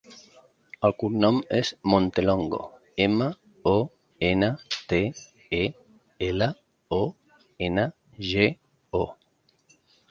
El cognom és Montelongo: ema, o, ena, te, e, ela, o, ena, ge, o.